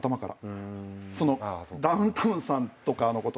そのダウンタウンさんとかのこと。